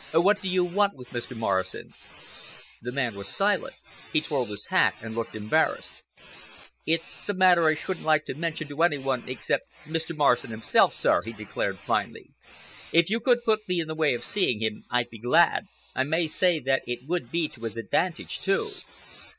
"What do you want with Mr. Morrison?" The man was silent. He twirled his hat and looked embarrassed. "It's a matter I shouldn't like to mention to any one except Mr. Morrison himself, sir," he declared finally. "If you could put me in the way of seeing him, I'd be glad. I may say that it would be to his advantage, too."